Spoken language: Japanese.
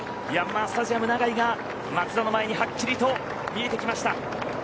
ヤンマースタジアム長居が松田の前にはっきりと見えてきました。